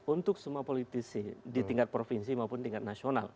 untuk semua politisi di tingkat provinsi maupun tingkat nasional